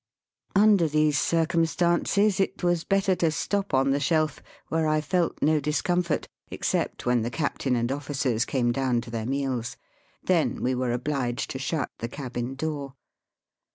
Under these circumstances it was. better to stop on the shelf, where I felt no discomfort, except when the captain and oflSicers came down to their meals. Then we were obhged to shut the cabin door.